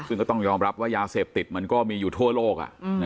ซึ่งก็ต้องยอมรับว่ายาเสพติดมันก็มีอยู่ทั่วโลก